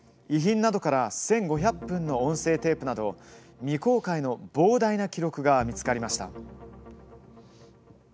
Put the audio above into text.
遺品などから１５００分の音声テープなど未公開の膨大な記録が見つかりました。